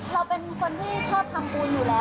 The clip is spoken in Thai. เราเป็นคนที่ชอบทำบุญอยู่แล้ว